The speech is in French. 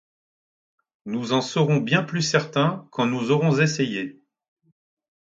Nous en serons bien plus certains quand nous aurons essayé!